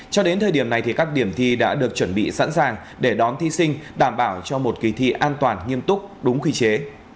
cho đến thời điểm này các điểm thi đã được chuẩn bị sẵn sàng để đón thí sinh đảm bảo cho một kỳ thi an toàn nghiêm túc đúng quy chế